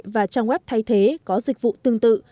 và trang web thay thế có dịch vụ tương tự